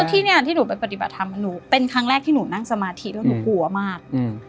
แล้วที่นี่ที่หนูไปปฏิบัติธรรมเป็นครั้งแรกที่หนูนั่งสมาธิแล้วหนูหัวมาก